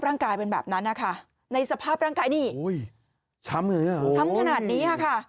ร่างกายเป็นแบบนั้นนะคะในสภาพร่างกายนี่ช้ำขนาดนี้ค่ะ